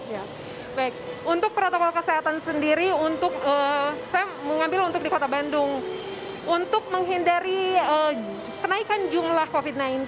ya baik untuk protokol kesehatan sendiri untuk saya mengambil untuk di kota bandung untuk menghindari kenaikan jumlah covid sembilan belas